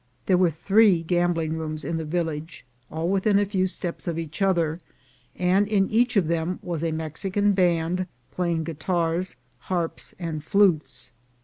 There were three gambling rooms in the village, all within a few steps of each other, and in each of them was a Mexican band playing guitars, harps and flutes.